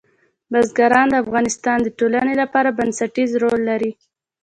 بزګان د افغانستان د ټولنې لپاره بنسټيز رول لري.